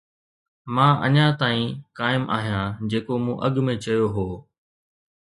مان اڃا تائين قائم آهيان جيڪو مون اڳ ۾ چيو هو